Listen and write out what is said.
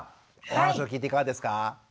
お話を聞いていかがですか？